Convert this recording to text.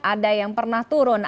ada yang pernah turun